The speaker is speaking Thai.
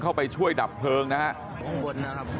เข้าไปช่วยดับเพลิงนะครับ